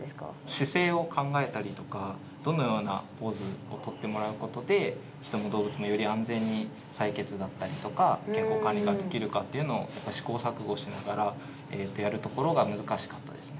姿勢を考えたりとかどのようなポーズをとってもらうことで人も動物もより安全に採血だったりとか健康管理ができるかっていうのを試行錯誤しながらやるところが難しかったですね。